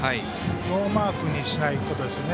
ノーマークにしないことですね。